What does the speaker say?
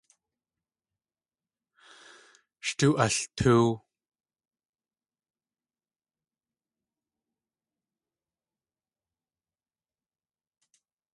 Sh tóo altóow.